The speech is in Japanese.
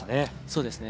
そうですね